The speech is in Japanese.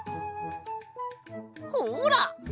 ほら！